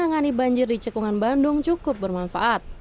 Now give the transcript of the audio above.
menangani banjir di cekungan bandung cukup bermanfaat